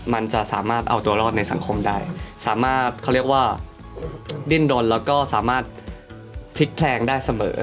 มันจะสามารถเอาตัวรอดในสังคมได้สามารถเขาเรียกว่าดิ้นรนแล้วก็สามารถพลิกแพลงได้เสมอ